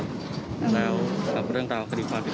ก็ขัดแย้งขัดแย้งอยู่